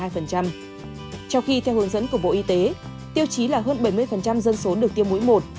trong khi theo hướng dẫn của bộ y tế tiêu chí là hơn bảy mươi dân số được tiêm mũi một